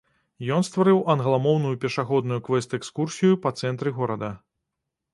Ён стварыў англамоўную пешаходную квэст-экскурсію па цэнтры горада.